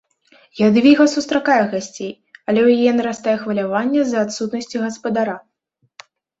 Ядвіга сустракае гасцей, але ў яе нарастае хваляванне з-за адсутнасці гаспадара.